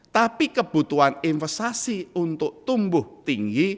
tapi kebutuhan investasi untuk tumbuh tinggi